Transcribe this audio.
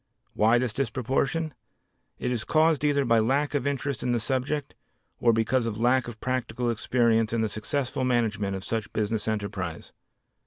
Why this disproportion? It is caused either by lack of interest in the subject, or because of lack of practical experience in the successful management of such business enterprise.